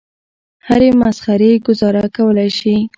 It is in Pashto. هرې مسخرې ګوزاره کولای شي.